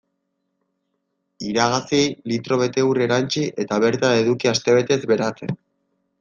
Iragazi, litro bete ur erantsi eta bertan eduki astebetez beratzen.